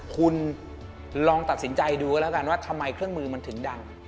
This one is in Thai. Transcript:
คุณลองตัดสินใจดูกันแล้วกันว่าทำไมเครื่องมือมันถึงดัง